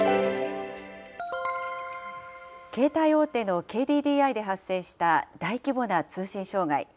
携帯大手のＫＤＤＩで発生した大規模な通信障害。